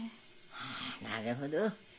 あなるほど。